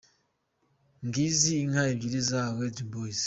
Ngizi inka ebyiri zahawe Dream Boyz.